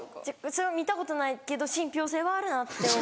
見たことないけど信ぴょう性はあるなって思う。